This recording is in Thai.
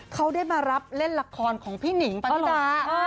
เขาได้มารับเล่นลักษณ์ของพี่หนิงปะนิตา